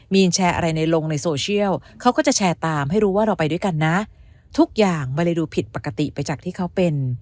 มีนแชร์อะไรในลงในโซเชียลเขาก็จะแชร์ตามให้รู้ว่าเราไปด้วยกันนะทุกอย่างมันเลยดูผิดปกติไปจากที่เขาเป็น